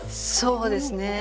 そうですね。